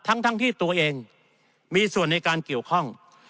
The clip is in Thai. ทั้งที่ตัวเองมีส่วนในการเกี่ยวข้อง